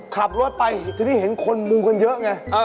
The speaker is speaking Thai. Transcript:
ขับรถไปทีนี้เห็นคนมุงกันเยอะไง